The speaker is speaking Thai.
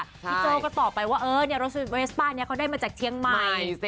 โจ้ก็ตอบไปว่ารถเวสป้านี้เขาได้มาจากเชียงใหม่